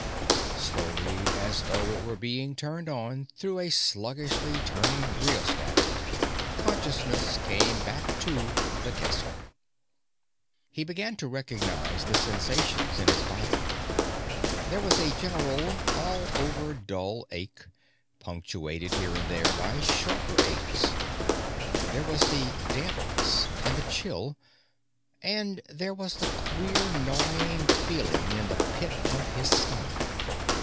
Slowly, as though it were being turned on through a sluggishly turning rheostat, consciousness came back to The Guesser. He began to recognize the sensations in his body. There was a general, all over dull ache, punctuated here and there by sharper aches. There was the dampness and the chill. And there was the queer, gnawing feeling in the pit of his stomach.